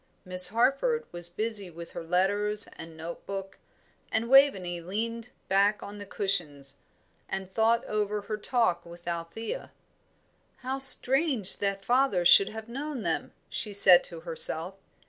Miss Harford was busy with her letters and note book, and Waveney leaned back on the cushions, and thought over her talk with Althea. "How strange that father should have known them!" she said to herself.